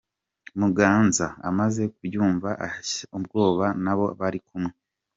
Muganza amaze kubyumva ashya ubwoba n’abo bari kumwe .